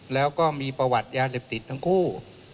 แล้วก็มีประวัติยาเสพติดทั้งคู่